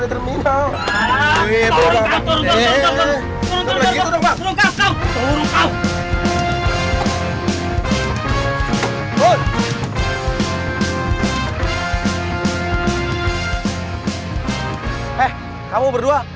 eh kamu berdua